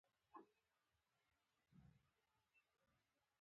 له لوګر نه راغلی مېلمانه ډېر ستړی دی. ځکه چې لاره بنده وه.